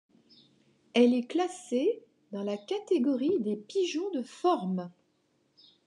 Elle est classée dans la catégorie des pigeons de forme.